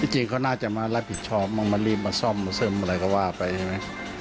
จริงเขาน่าจะมารับผิดชอบบ้างมารีบมาซ่อมมาซ่อมอะไรก็ว่าไปใช่ไหม